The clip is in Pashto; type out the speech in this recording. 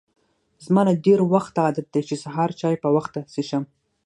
زما له ډېر وخته عادت دی چې سهار چای په وخته څښم.